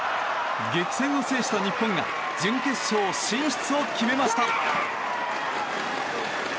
激戦を制した日本が準決勝進出を決めました。